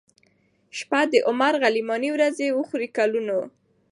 شپې د عمر غلیماني ورځي وخوړې کلونو